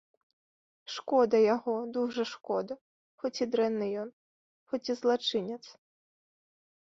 Шкода яго, дужа шкода, хоць і дрэнны ён, хоць і злачынец.